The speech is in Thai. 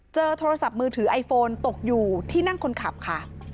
โทรศัพท์มือถือไอโฟนตกอยู่ที่นั่งคนขับค่ะ